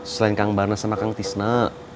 selain kang barna sama kang tisna